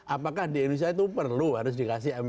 apakah di indonesia itu perlu harus dikasih